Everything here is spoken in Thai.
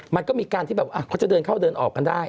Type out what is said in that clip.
มันก็มีการที่แบบเขาจะเดินเข้าเดินออกกันได้